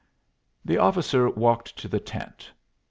The officer walked to the tent.